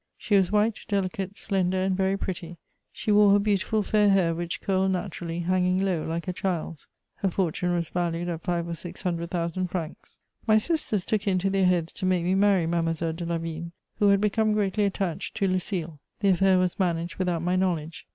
She was white, delicate, slender and very pretty: she wore her beautiful fair hair, which curled naturally, hanging low like a child's. Her fortune was valued at five or six hundred thousand francs. My sisters took it into their heads to make me marry Mademoiselle de Lavigne, who had become greatly attached to Lucile. The affair was managed without my knowledge.